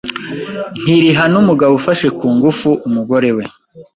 ntirihana umugabo ufashe ku ngufu umugore we